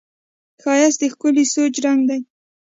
ښایست د ښکلي سوچ رنګ دی